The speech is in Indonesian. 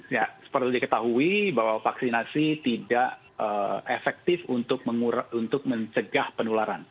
ya seperti diketahui bahwa vaksinasi tidak efektif untuk mencegah penularan